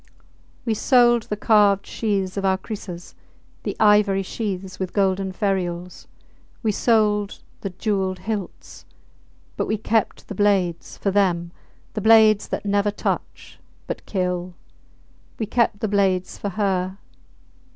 We sold the carved sheaths of our krisses the ivory sheaths with golden ferules. We sold the jewelled hilts. But we kept the blades for them. The blades that never touch but kill we kept the blades for her.